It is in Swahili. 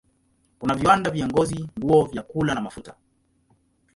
Kuna viwanda vya ngozi, nguo, vyakula na mafuta.